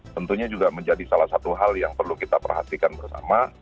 tentunya juga menjadi salah satu hal yang perlu kita perhatikan bersama